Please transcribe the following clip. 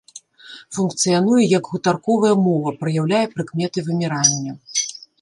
Функцыянуе як гутарковая мова, праяўляе прыкметы вымірання.